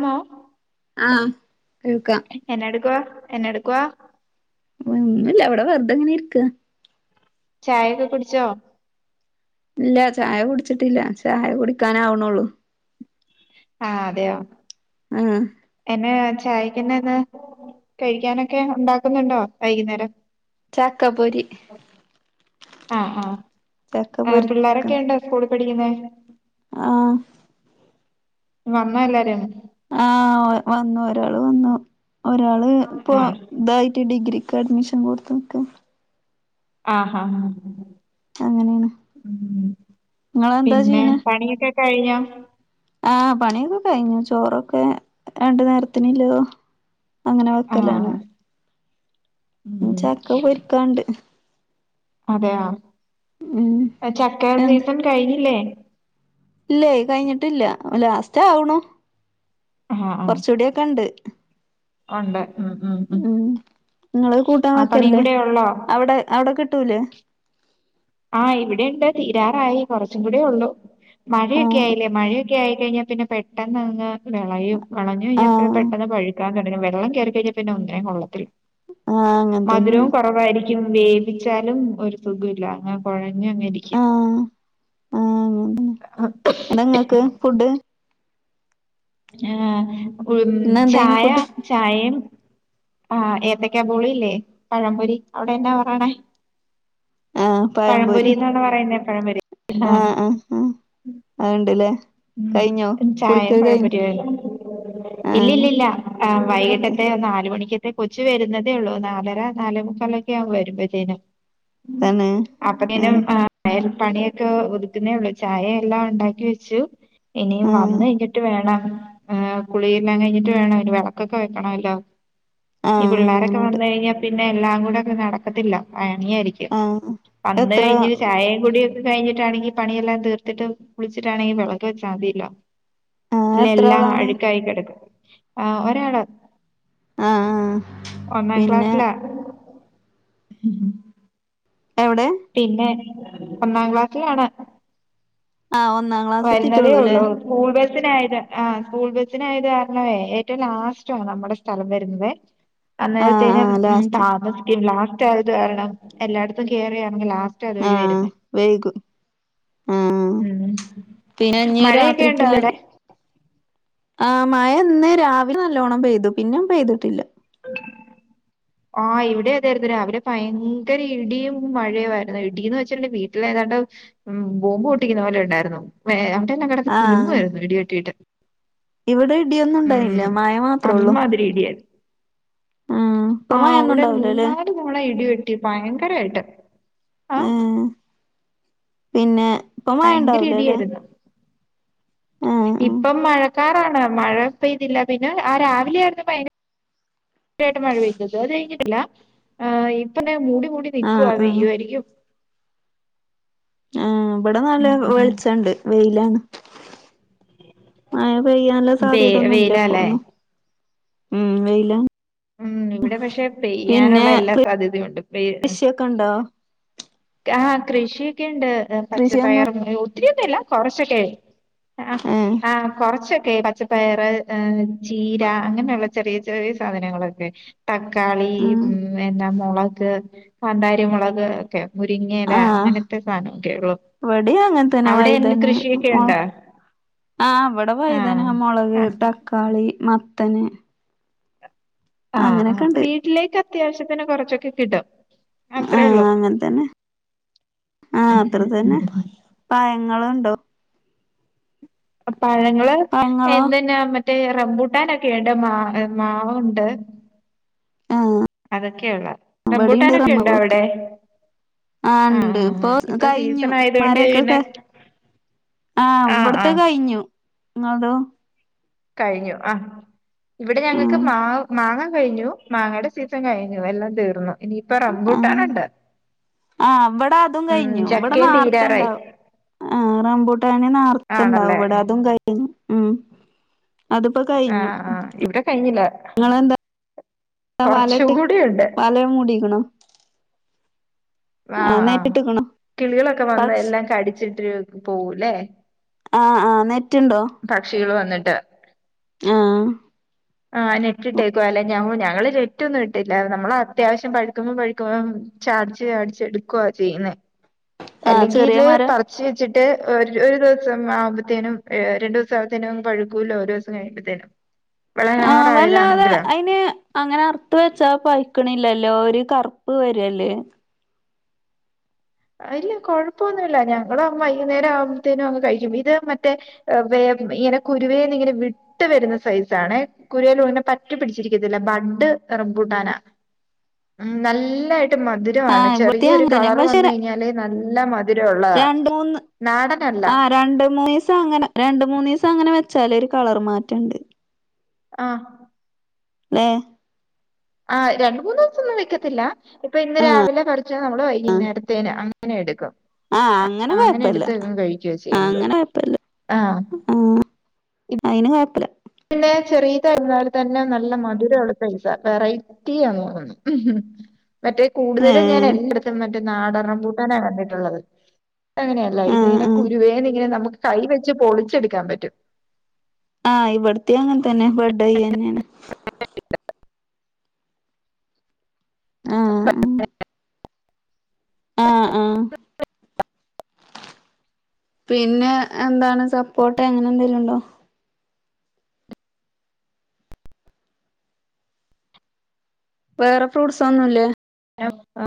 ണോ ആ കേൾക്കാം എന്ന ടുക്കുവ ഒന്നുല്ല ഇവിടെ വെറുതെ ഇങ്ങനെ ഇരിക്ക ചായയൊക്കെ കുടിച്ചോ ഇല്ല ചായ കുടിച്ചിട്ടില്ല ചായ കുടിക്കാനാവണുള്ളൂ ആ അതെയോ ആഹ് എന്നാ ചായക്കെന്നാ ന്ന് കഴിക്കാനൊക്കെ ഇണ്ടാക്കുന്നുണ്ടോ വൈകുന്നേരം ചക്കപൊരി ആ ആ പിള്ളോരൊക്കെ ഉണ്ടോ സ്കൂളിൽ പഠിക്കുന്ന ആ വന്നാ എല്ലാരും ആഹ് വന്നു ഒരാള് വന്നു ഒരാള് ഇപ്പൊ ആ ഇതായിട്ട് ഡിഗ്രിക്ക് അഡ്മിഷൻ കൊടുത്തക്ക ആ ആ ആ അങ്ങനെയാണ് ഉം നിങ്ങളെന്താ പിന്നെ പണിയൊക്കെ കഴിഞ്ഞ ആ പണിയൊക്കെ കഴിഞ്ഞു ചോറൊക്കെ രണ്ടു നേരത്തിനില്ലോ അങ്ങനെ ആ വെക്കല്ലാണ് ഉം ചക്ക പൊരിക്കാണ്ട് അതെയ ഉം ചക്കെടെ സീസൺ കഴിഞ്ഞില്ലേ ഇല്ല കഴിഞ്ഞിട്ടില്ല ലാസ്റ്റ് ആകണു കൊറച്ചുകൂടിക്കെ ഇണ്ട് ഒണ്ട് ഉം നിങ്ങള് കൂട്ടാൻ ആ പണിയും വെക്കല്ലേ കൂടെ ഉള്ളോ അവിടെ അവിടെ കിട്ടൂലേ ആ ഇവിടെയുണ്ട് തീരാറായി കുറച്ചും കൂടെ ഉള്ളൂ മഴയൊക്കെ ആഹ് ആയില്ലേ മഴയൊക്കെ ക്കെ ആയി കഴിഞ്ഞാൽ പിന്നെ പെട്ടെന്ന്അങ്ങ് വിളയും വിളഞ് കഴിഞാൽ പിന്നെ ആഹ് പെട്ടെന്ന് പഴുക്കാൻ തുടങ്ങും പിന്നെം വെള്ളം കേറി കഴിഞ്ഞാ പിന്നെ ഒന്നിനും കൊള്ളത്തില്ല ആ അങ്ങനെ മധുരവും തന്നെയാണ് കുറവായിരിക്കും വേവിച്ചാലും ഒരു സുഖഇല്ല ഇങ്ങനെ കുഴഞ് ഞ് ങ്ങരിക്കും ആഹ് ആഹ് അങ്ങനെ തന്നെ എന്താ നിങ്ങക്ക് ഫുഡ് ആ ഉം ഇന്ന് എന്തായിന് ചായ ഫുഡ് ചായയും ആ ഏത്തക്കാ പൂളില്ലേ പഴംപൊരി അവിടെന്നാ പറണേ ആ പഴം പൊരി പഴംപൊരി ആആ ആഹ് ആ അത്ണ്ടല്ലേ ഉം ചായയും പഴം പൊരിആര്ന്ന് ആഹ് ഇല്ലില്ലില്ല ആ വൈകിട്ടത്തെ ഒന്ന് ഒരു മണിക്കത്തെ കൊച്ച് വരുന്നതേ ഉള്ളൂ നാലര നാലെ മുക്കാല് ഒക്കെ ആവുമ്പം വരുമ്പതേനും തന്നെ അപ്പോത്തേനും ആഹ് [unintelligible] പണിയൊക്കെ ഒതുക്കുന്നേ ഉള്ളൂ ചായ എല്ലാം ഉണ്ടാക്കി വെച്ചു ഇനി ആഹ് വന്ന് കഴിഞ്ഞിട്ട് വേണം ആ കുളിയെല്ലാം കഴിഞ്ഞിട്ട് വേണം ഒരു വിളക്കൊക്കെ വെക്കണവല്ലോ ഈ ആഹ് പിള്ളോരൊക്കെ അങ്ങനുണ്ട് വന്ന് കഴിഞ്ഞാൽ പിന്നെ എല്ലാം കൂടെ ഒന്നും നടക്കത്തില്ല ആ പണിയായിരിക്കും ആഹ് വന്ന് എത്ര കഴിഞ്ഞ് ഒരു ചായയും കൂടി കഴിഞ്ഞിട്ടാണെങ്കി പണിയെല്ലാം തീർത്തിട്ട് കുളിച്ചിട്ടാണെങ്കി വിളക്ക് വെച്ചാൽ മതില്ലോ ആഹ് ഇല്ലേ എത്ര എല്ലാം ആളാണ് അഴുക്കായി കിടക്കും ആ ഒരാളാ ആഹ് ആഹ് ഒന്നാം പിന്നെ ക്ലാസിലാ എവിടെ പിന്നെ ഒന്നാം ക്ലാസിലാണ് ആഹ് ഒന്നാം ക്ലാസ് വരുന്നതേ എത്തിട്ടുള്ളൂല്ലേ ഉള്ളൂ സ്കൂൾ ബ സിനായത് ആ സ്കൂൾ ബസ്സിനായത് കാരണവേ ഏറ്റവും ലാസ്റ്റാ നമ്മുടെ സ്ഥലം വരുന്നതേ ആഹ് അന്നേരത്തേനും ആഹ് ഉം ലാസ്റ്റ് താമസിക്കും ലാസ്റ്റ് ആയത് കാരണം എല്ലായിടത്തും കേറി ലാസ്റ്റ് അത് വഴി ആഹ് വരുന്നെ വൈകും ആഹ് ഉം പിന്നെ മഴയൊക്കെ ഉണ്ടോ അവിടെ ആ മഴ ഇന്ന് രാവിലെ നല്ലോണ്ണം പെയ്തു പിന്നെ പെയ്തിട്ടില്ല ആ ഇവിടെയും അതെയായിരുന്നു രാവിലെ ഭയങ്കര ഇടിയും മഴയും ആരുന്നു ഇടീന്ന് വെച്ചിട്ടുണ്ടെങ്കിൽ വീട്ടിലെ ഏതാ ണ്ട് ബോംബ് പൊട്ടിക്കുന്ന പോലെ ഉണ്ടായിരുന്നു അവിടെയല്ലാം കിടന്ന് ആഹ് കുലുങ്ങുവായിരുന്നു ഇടിവെട്ടിയിട്ട് ഇവിടെ ഇടിയൊന്നും ഉണ്ടായില്ല മഴ മാത്രേ ഉള്ളൂ അമ്മാതിരി ഇടിയായിരുന്നു ഉം ഇപ്പൊ ആ മഴൊന്നും ഇവിടെ ഉണ്ടാവൂലല്ലേ മൂന്നാല് തവണ ഇടി വെട്ടി ഭയങ്കരായിട്ട് ആ പിന്നെ ഇപ്പം മഴ ഭയങ്കര ഉണ്ടാവൂല്ല അല്ലേ ഇടിയായിരുന്നു ഇപ്പം മഴക്കാറാണ് മഴ പെയ്തില്ല പിന്നെ ആ രാവിലെ ആയിരുന്നു ഭയ ങ്കരമായിട്ട് മഴ പെയ്ത് അത് കഴിഞ്ഞിട്ടില്ല ഇപ്പൊ ദേ മൂടി മൂടി ആഹ് നിക്കുവാ ആഹ് ആഹ് പെയ്യുവാരിക്കും ആ ഇവിടെ നല്ല ഉം വെളിച്ചം ഉണ്ട് വെയിലാണ് ആ പെയ്യാനുള്ള വേ സാധ്യത ഒന്നുല്ല ഇപ്പോ വെയിലാല്ലേ ഒന്നും ഉം വെയിലാണ് ഉം ഇവിടെ പക്ഷെ പിന്നെ പെയ്യാനുള്ള എല്ലാ സാധ്യതയും ഉണ്ട് പെ കൃഷിയൊക്കെ ഉണ്ടോ ആ കൃഷിയൊക്കെയുണ്ട് കൃഷിയൊന്നും പച്ചപ്പയറും ഗ്രൂ ഒത്തിരിയൊന്നും ഇല്ല കൊറച്ചൊക്കെ ആ ഏഹ് ആ കൊറച്ചൊ ക്കെ പച്ചപ്പയറ്, ചീര അങ്ങനെയുള്ള ചെറിയ ചെറിയ സാധ നങ്ങളൊക്കെ തക്കാളി ഉം എന്നാ മൊളക്, കാന്താരി മൊളക് ഒക്കെ മുരിങ്ങയില അങ്ങനത്തെ സാധനൊക്കെ ഉള്ളൂ ഇവിടേം അങ്ങനെ തന്നെ വഴുതന മൊള ഉണ്ടോ ആ ഇവിടെ ആ വഴുതന, മൊളക്, ആ തക്കാളി, മത്തന് ആ ആ അങ്ങനെക്കെണ്ട് വീട്ടിലേക്ക് അത്യാവശ്യത്തിന് കൊറച്ചൊക്കെ കിട്ടും ആ അത്രേ ഉള്ളൂ അങ്ങനെ തന്നെ ആ അത്ര തന്നെ പയ ങ്ങളുണ്ടോ പഴങ്ങള് പഴങ്ങളോ എന്തിനാ മ മറ്റേ റംബൂട്ടാനൊക്കെയുണ്ട് മാ മാവുണ്ട് അതൊക്കേയൊള്ളോ റമ്പൂട്ടാനൊക്കെ ഉണ്ടോ അവിടെ ആ ഇണ്ട് ആഹ് ആഹ് ഇപ്പൊ ആഹ് കയിഞ്ഞു സീസൺ ആയതുകൊണ്ട് പിന്നെ മരൊക്കൊക്കെ ആ ആഹ് ഇവിടത്തെ ആഹ് കയിഞ്ഞു നിങ്ങടുതോ കഴിഞ്ഞു ആ ഇവിടെ ഞങ്ങൾക്ക് ആഹ് മാ മാങ്ങ കഴിഞ്ഞു മാങ്ങയുടെ സീസൺ കഴിഞ്ഞു എല്ലാം തീർന്നു ഇനിയിപ്പോ റംബൂട്ടാനുണ്ട് ആ ഇവിടെ അതും ഉം കയിഞ്ഞു ഇവിടെ ചക്കയും നേരത്തെ തീരാറായി ഉണ്ടാവും ആ റമ്പൂ ട്ടാൻ നേരത്തെ ഉണ്ടാവും ആണല്ലേ ഇവിടെ അതും കഴിഞ്ഞു ഉം അതിപ്പോ കയിഞ്ഞു ആഹ് ആഹ് ഇവിടെ കഴിഞ്ഞില്ല നിങ്ങളെന്താ ആ കൊറച്ചു വലയിട്ട് കൂടിയുണ്ട് വലയിൽ മൂടിയേക്കണു ആ ആ കിളികളൊക്കെ വന്ന് പക്ഷി എല്ലാം കടിച്ചിട്ട് പോകൂല്ലേ ആ ആ നെറ്റുണ്ടോ എന്നിട്ടെ ആ ആ നെറ്റിട്ടേക്കുവാ അല്ലേ ഞാവുഞ്ഞ ഞങ്ങളെ നെറ്റൊന്നും ഇട്ടില്ല നമ്മള ത്യാവശ്യം പഴുക്കുമ്പം പഴുക്കുമ്പം ചാർജ്ജിയ ച്ചെടുക്കുവാ ചെയ്യുന്നെ ആ അല്ലെങ്കി ചെറിയ ഇതെ മരാ പറിച്ച് വെച്ചിട്ട് ഒരു ദിവസം ആവുമ്പത്തേനും രണ്ടു ദിവസാകത്തേനും അങ്ങെ പഴുക്കൂലോ ഒരു ദിവസം കഴിയപ്പത്തേക്കെ ആ വല്ലാതെ അയിന് അങ്ങനെ അറത്ത് വെച്ചാ പയി ക്കിണില്ലല്ലോ ഒരു കറുപ്പ് വരുവല്ലേ ആ ഇല്ല കുഴപ്പൊന്നുല്ലാ ഞങൾ വൈകുനേരം ആകുമ്പാതെന്നും അങ്ങ് കഴിക്കും ഇത്‌ മറ്റേ ഏ വേ ഇങ്ങനെ കുരുവേന്നിങ്ങനെ വിട്ട് വരുന്ന സൈസാണേ കുരുവേൽനെ പറ്റിപ്പിടിച്ചിരിക്കത്തില്ല ബഡ്ഡ് റമ്പൂട്ടാനാ മ് നല്ലായിട്ട് ആ മധുരാണ് ഇവിടത്തെ ചെറിയ ഒരു അങ്ങനെന്നെ കളറു പക്ഷെ വന്നു കഴിഞ്ഞാ കഞ്ഞല് നല്ല മധുരം ഒള്ളതാ രണ്ട് മൂന്ന് ആ രണ്ടു മൂന്നിസം അങ്ങനെ രണ്ടു മൂന്നിസം അങ്ങനെ വേച്ചലൊരു കളറു മാറ്റണ്ട് ആ ഏ ആ രണ്ടു മൂന്നിസമൊന്നും നിക്കത്തില്ല ഇപ്പൊ ഇന്ന് രാവിലെ പറിച്ചാ നമ്മളെ വൈകുന്നേരത്തേനെ അങ്ങനെ എടുക്കും ആ അങ്ങനെ കൊഴപ്പല്ല എടുത്തങ്ങെ കഴിക്കുവ ആ ചെയ്യുന്നത് അങ്ങനെ കൊഴപ്പല്ല ആ ആ അയിന് കൊയപ്പില്ല പിന്നെ ചെറിയതായിരുന്നാൽ തന്നെ നല്ല മധുരം ഉള്ള പൈസ വെറൈറ്റിയന്നു തോന്നും [inaudible] മറ്റേ ഏ കൂടുതലും ഞാൻ എല്ലായിടത്തും മറ്റേ നാടൻ റംമ്പൂട്ടാനാ കണ്ടിട്ടുള്ളത് അങ്ങനെയല്ല ആ ഇതിങ്ങനെ ആ കുരുവേന്നിങ്ങനെ നമുക്ക് കൈ വെച്ച് പൊളിച്ചെടുക്കാൻ പറ്റും ആ ഇവിടുത്തേ അങ്ങനെ തന്നെ ബഡ്യ്യാനിയാന്ന് ആ ആ ആ ആ പിന്നെ എന്താണ് സപ്പോർട്ട അങ്ങനെന്തേലും ഉണ്ടോ വേറെ ഫ്രൂട്ട്സ് ഒന്നും ഇല്ലേ ആ ആ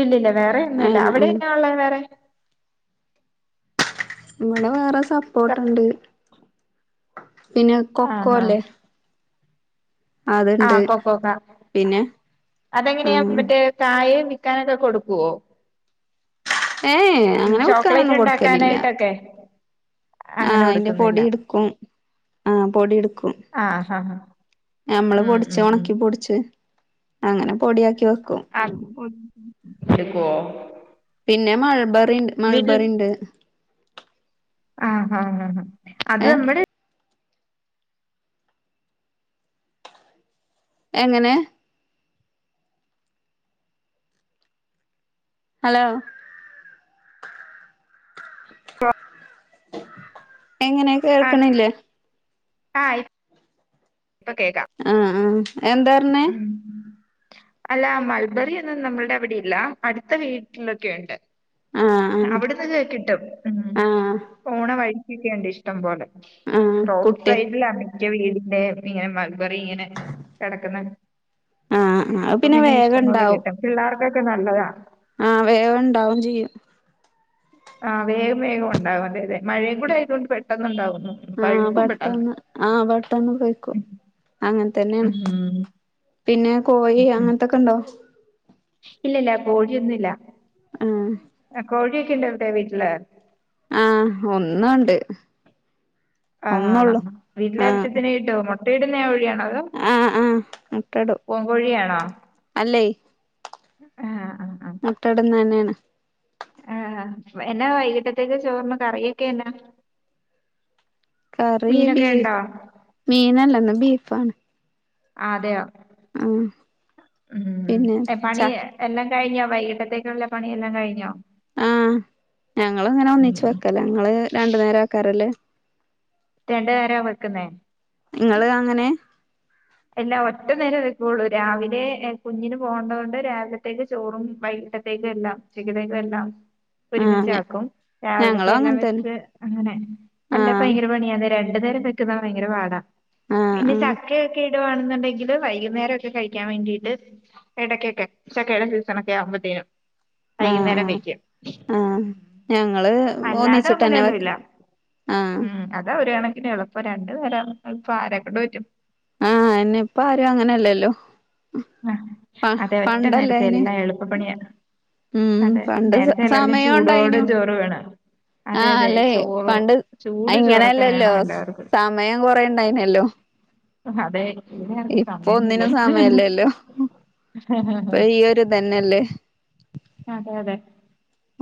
ഇല്ലില്ല വേറെ ഒന്നുല്ല ആഹ് ആഹ് അവിടെന്നാ ഒള്ളെ വേറെ ഇവിടെ വേറെ സപ്പോർട്ടിണ്ട് പിന്നെ കൊക്കോ ആഹാ അല്ലേ ആഹ് കൊക്കക്ക പിന്നെ അതെങ്ങനെയാ ആഹ് മറ്റേ കായ വിൽകനക്കെ കൊടുക്കുവോ ഏഹ് ഉ അങ്ങനെ ചോക്ലേറ്റ് വിക്കാനൊന്നും കൊടുക്കലില്ല ഉണ്ടാക്കാനായിട്ടൊക്കെ അങ്ങനെ ആഹ് അയിന്റെ കൊടുക്കുന്നില്ല പൊടി എടുക്കും ആ ഹ നമ്മള് പൊടിച്ച് ഉണക്കി പൊടിച്ച് അങ്ങനെ പൊടിയാക്കി വെക്കും ആ എടുക്കൊ പിന്നെ മൾബറിണ്ട് മൾബറിണ്ട് ആഹ് ഹാ ഹാ ആഹ് അത് ഏഹ് നമ്മുടെ എങ്ങനെ ഹലോ എങ്ങനെ കേൾക്കണില്ലേ ആഹ് ഇപ്പൊ കേക്കാം ആഹ് ആഹ് എന്താർഞ്ഞേ ഉം അല്ല മൾബറി ഒന്നും നമ്മുടെ അവിടെ ഇല്ല അടുത്ത വീട്ടിലൊക്കെണ്ട് ആഹ് അവിടുന്ന് കിട്ടും ഉം ആഹ് ആഹ് പോണ വഴിച്ചിക്കണ്ട് ഇഷ്ടം പോലെ ആഹ് റോഡ് കുട്ടി സൈഡില മിക്ക വീടിന്റെ ഇങ്ങനെ മൽബറിങ്ങനെ കെടക്കുന്നേ ആഹ് ആഹ് അത് അപ്പ പിന്നെ ഇഷ്ട കിട്ടും പിള്ളേർ കൊക്കെ നല്ലതാ ആ വേകാം ഉണ്ടാവും ചെയ്യും ആ വേഗം വേഗം ഉണ്ടാകും അതെലെ മഴയും കൂടെ ആയതൊണ്ട് പെട്ടെന്നുണ്ടാവുന്നു പഴുക്കും പെട്ടെന്ന് അങ്ങ ഉം പിന്നെ കോഴി അങ്ങനത്തൊക്കെ ഉണ്ടോ ഇല്ല ഇല്ല കോഴിയൊന്നുംില്ല ആഹ് ആ കോഴിയക്ക ഇണ്ട് ഇവിടെ വീട്ടില് ഒന്നാണ്ട് ആ് ആണ വീട്ടിലവശ്യത്തിന്ട്ടോ മുട്ടയിടുന്ന തോ ആഹ് ആഹ് മുട്ടടും പ കോോഴിയാണോ അല്ലേ ആഹ മുട്ടടുന്നന്നെയാണ് ആഹ എന്നാ വൈകിട്ടത്തേക്ക് ചോർന്ന് കറിയൊക്കെന്നാ കറി ബീ മീനല്ലന്ന് ബീഫാണ് ആ അതെയോ ആഹ് പിന്നെ ഉ പണി ച എല്ലാം കഴിഞ്ഞോ വൈകിട്ടത്തേക്കുള്ള പണിയെല്ലാം കഴിഞ്ഞോ ആഹ ഞങ്ങ അങ്ങനെ ഒന്നിച്ചച്ച് ഉം വെക്കല ഞങ്ങള് രണ്ടു നേരം ആക്കാറല്ലേ രണ്ട കാരം വെക്കുന്നേ നിങ്ങള് അങ്ങനെ അല്ല ഒറ്റ നേരം വെക്കുള്ളു രാവിലെ കുഞ്ഞിന് പോകണ്ടതത് കൊണ്ട് രാവിലത്തേക്ക് ചോറും വൈകിട്ട എല്ലാം ചിതക എല്ലാം ഒരുമിച്ച ആഹ് ആക്കും രാവിലത്തെ ഞങ്ങളും എല്ലാം അങ്ങനെ തന്നെ വെച്ച് അങ്ങനെ എല്ല ആഹ് ഭയങ്കര പണിയ രണ്ടു നേരം തെക്കുന്ന ഭയങ്കര പാടാ ആഹ് പിന്നെ ആഹ് ചക്ക ഇടണെന്നണ്ടെങ്കിൽ വൈകുന്നേരം ഒക്കെ കഴിക്കാൻ വേണ്ടിട്ട് എടക്കെക്കെ ചക്കള സീസണക്കെ അമ്പത്തേും ആഹ് വൈകുന്നേരം ആഹ് വെക്കും ആഹ് ഞങ്ങള് അല്ലാതെ ഒന്നിച്ചിട്ടന്നെ വെക്ക അങ്ങനെൊന്നുംല്ല ആഹ് ഉം അതാ ഒരു കണക്കിിനെളപ്പ രണ്ടു നേരം ഇപ്പ ആരാക്കൊണ്ട് പറ്റും ആഹ എന്നെ ഇപ്പ ആരും അങ്ങനെയല്ലല്ലോ ആഹ പ അതെ ഒറ്റ പണ്ടല്ലേ നേരത്തെ അയിന് എല്ലാ എളുപ്പപ്പണിയാണ് ഉം പണ്ട് സമയം ചൂടോടെ ഉണ്ടായിനു ചോറ് വേണം അതെ ആഹ് അതെ അല്ലെ ചോറ് പണ്ട് ചൂട് ചോറൊക്കെ ഇങ്ങനെയല്ലല്ലോ വേണം എല്ലാവർക്കും സമയം കൊറെേണ്ടായിനല്ലോ [unintelligible] അതെ ഇവിടെ ആർക്കും ഇപ്പൊ സമയൊന്നുമില്ല ഒന്നിനും സമയല്ലേല്ലേ അപ്പ ഈയൊരു തന്നെയല്ലേ അതെ അതെ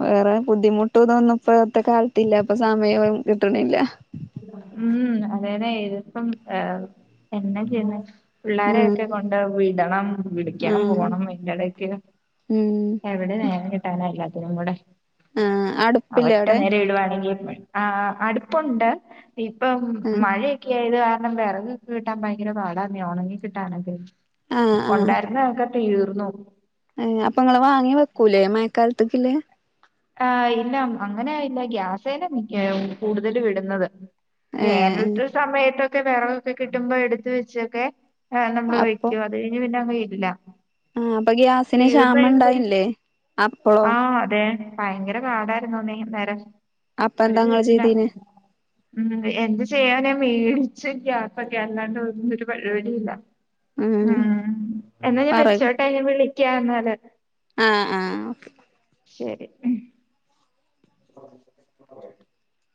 വേറെ ബുദ്ധിമുട്ട കിട്ട തോന്ന ഇപ്പത്തെ കാലത്തില്ല ഇപ്പം സമയം കിട്ടണില്ല ഉം അതേനെ ഇതിപ്പം എന്നാ ചെയ്യുന്നത് ഉം പിള്ളോരെയൊക്കെ കൊണ്ട് വിടണം വിളിക്കാൻ ആഹ് പോണം ഇതിനിടക്ക് ഉം എവിടെ നേരം കിട്ടാനല്ല അതിനും കൂടെ ആഹ് അടുപ്പില്ലേ അവറ്റ അവിടെ നേരം ഇടവാണെങ്കിൽ ആ അടുപ്പുണ്ട് ഇപ്പം ആഹ് മഴൊക്കെ കാരണം വിറക് കിട്ടാൻ ഭയങ്കര പാടാന്ന് ഉണങ്ങി കിട്ടാനൊക്കെ ആഹ് ഉണ്ടായിരുന്ന ഒക്കെ തീർന്നു അ അപ്പൊ നിങ്ങൾ വാങ്ങി വെക്കൂലേ മഴക്കാലത്തേക്കല്ലേ ആ ഇല്ല അങ്ങനെയ ഇല്ല ഗ്യാസേലേ കൂടുതൽ വിടുന്നത് ഏഹ് വേനലത്ത് സമയത്തൊക്കെ വിറകൊക്കെ കിട്ടുമ്പോ എടുത്ത വെച്ചൊക്കെ ആ നമ്മള് അപ്പൊ വയ്ക്കും അത് കഴിഞ്ഞ് പിന്നെ അങ്ങ് ഇല്ല ആഹ് അപ്പൊ ഗ്യാസിന് ക്ഷാമം തീർന്നായ ഇണ്ടായില്ലേ അപ്പളോ ആ അതെ ഭയങ്കര പാടായിരുന്നുന്നേ അന്നേരം അപ്പ ഒരു എന്താങ്ങ വിധത്തില ചെയ്തീന് ഉം എന്ത് ചെയ്യാന മേടിച്ചരിക്ക അപ്പൊക്കെ അല്ലാണ്ട് ഒന്നും ഒരു പരിപാടി ഇല്ല ഉം എന്നാ ഞാൻ വെച്ചോട്ടേ ഞാൻ വിളിക്കാം എന്നാല് ആ ആ ശെരി [inaudible]